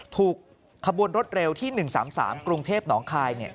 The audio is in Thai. ถูกขบวนรถเร็วที่๑๓๓กรุงเทพหนองคาย